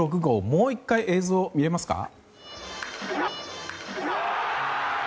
もう１回、映像見られますか？